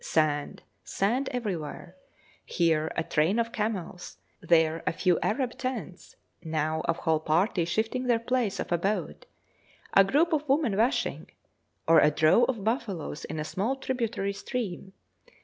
Sand, sand everywhere; here a train of camels, there a few Arab tents, now a whole party shifting their place of abode; a group of women washing, or a drove of buffaloes in a small tributary stream.